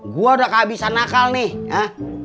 gua udah kehabisan akal nih